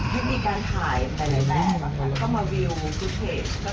แค่ไม่ใช่ถ่ายเป็นเวอร์ชั่นสำคัญของเราก็ได้ส่งกัน